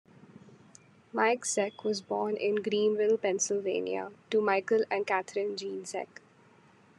Mike Zeck was born in Greenville, Pennsylvania, to Michael and Kathryn Jean Zeck.